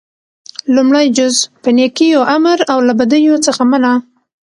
لومړی جز - په نيکيو امر او له بديو څخه منع: